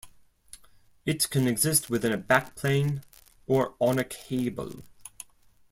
It can exist within a backplane or on a cable.